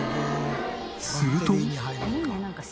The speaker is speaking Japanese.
すると。